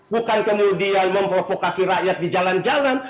bukan kemudian memprovokasi rakyat di jalan jalan